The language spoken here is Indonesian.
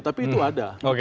tapi itu ada